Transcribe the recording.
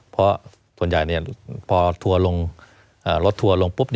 เพราะส่วนใหญ่พอทัวร์ลงรถทัวร์ลงปุ๊บ